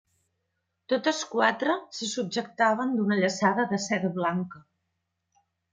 Totes quatre se subjectaven d'una llaçada de seda blanca.